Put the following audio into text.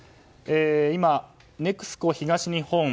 今、ＮＥＸＣＯ東日本。